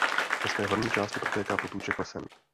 Ve své horní části protéká potůček lesem.